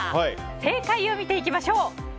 正解を見ていきましょう。